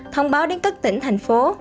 thông báo đến các tỉnh thành phố